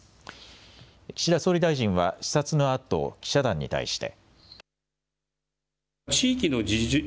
岸田総理大臣は視察のあと記者団に対して。